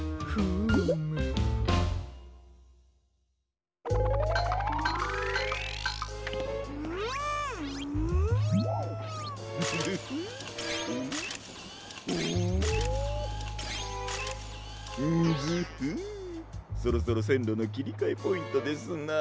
ンヅフッそろそろせんろのきりかえポイントですな。